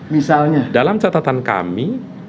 misalnya dalam catatan kami